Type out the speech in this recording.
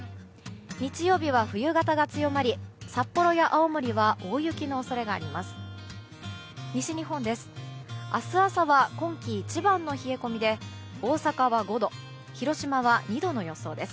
日曜日は冬型が強まり札幌や青森は大雪の恐れがあります。